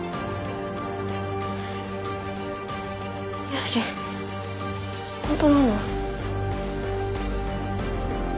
良樹本当なの？